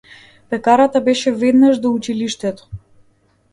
Пекарата беше веднаш до училиштето.